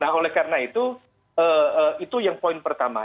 nah oleh karena itu itu yang poin pertama